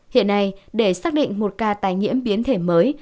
hiện nay để xác định một ca tài nhiễm biến thể mới